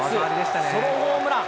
ソロホームラン。